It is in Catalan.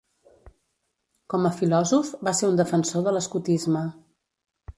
Com a filòsof va ser un defensor de l'Escotisme.